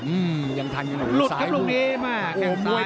เวียงบัดเข้ามาหล่นเลย